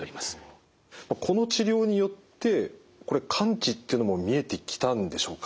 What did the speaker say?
この治療によって完治っていうのも見えてきたんでしょうか？